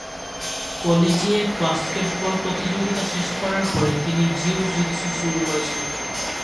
Collegiate basketball প্রতিযোগিতা শেষ করার পরে তিনি জিউ-জিতসু শুরু করেছিলেন।